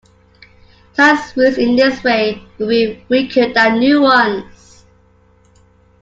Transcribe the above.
Ties reused in this way will be weaker than new ones.